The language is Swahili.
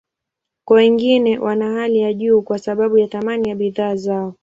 Kwa wengine, wana hali ya juu kwa sababu ya thamani ya bidhaa zao.